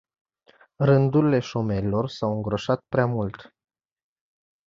Rândurile șomerilor s-au îngroșat prea mult.